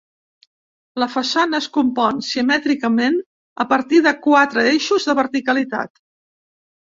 La façana es compon simètricament a partir de quatre eixos de verticalitat.